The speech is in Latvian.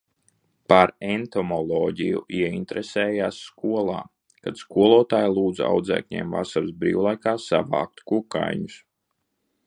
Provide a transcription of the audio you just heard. Par entomoloģiju ieinteresējās skolā, kad skolotāja lūdza audzēkņiem vasaras brīvlaikā savākt kukaiņus.